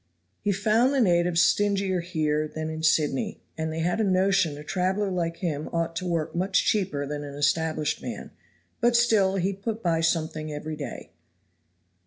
He found the natives stingier here than in Sydney, and they had a notion a traveler like him ought to work much cheaper than an established man; but still he put by something every day.